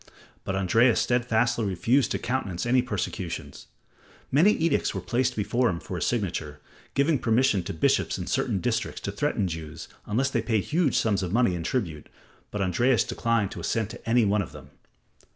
But Andreas steadfastly refused to countenance any persecutions. Many edicts were placed before him for his signature, giving permission to bishops in certain districts to threaten the Jews unless they paid huge sums of money in tribute, but Andreas declined to assent to any one of them.